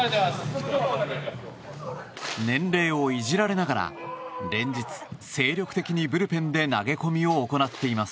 年齢をいじられながら連日、精力的にブルペンで投げ込みを行っています。